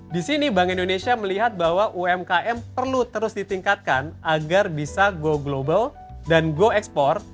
di sini bank indonesia melihat bahwa umkm perlu terus ditingkatkan agar bisa go global dan go ekspor